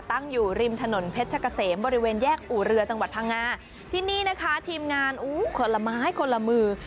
ตั้งอยู่ริมถนนเพชรกะเสมบริเวณแยกอู่เรือจังหวัดพังงาที่นี่นะคะทีมงานอู้คนละไม้คนละมือ